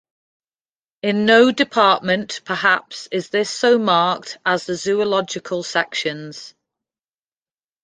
In no department perhaps is this so marked as the zoological sections.